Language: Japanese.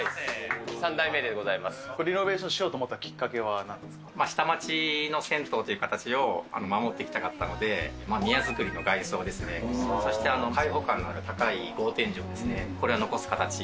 リノベーションしようと思っ下町の銭湯という形を守っていきたかったので、宮造りの外装ですね、そして開放感のある高い格天井ですね、これは残す形で。